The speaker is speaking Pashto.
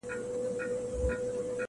ټول وجود یې په لړزه وي او ویریږي -